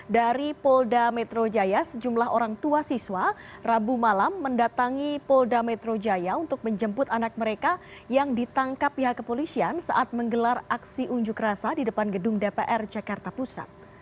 dari polda metro jaya sejumlah orang tua siswa rabu malam mendatangi polda metro jaya untuk menjemput anak mereka yang ditangkap pihak kepolisian saat menggelar aksi unjuk rasa di depan gedung dpr jakarta pusat